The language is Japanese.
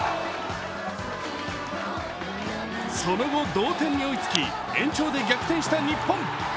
その後、同点に追いつき、延長で逆転した日本。